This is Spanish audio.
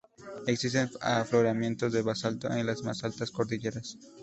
Existen afloramientos de basalto en las más altas cordilleras.